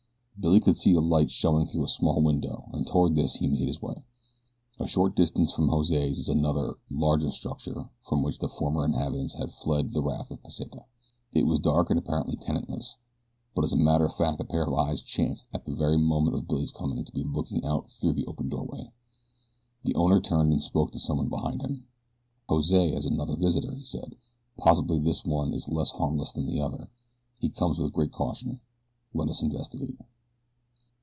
Billy could see a light showing through a small window, and toward this he made his way. A short distance from Jose's is another, larger structure from which the former inhabitants had fled the wrath of Pesita. It was dark and apparently tenantless; but as a matter of fact a pair of eyes chanced at the very moment of Billy's coming to be looking out through the open doorway. The owner turned and spoke to someone behind him. "Jose has another visitor," he said. "Possibly this one is less harmless than the other. He comes with great caution. Let us investigate."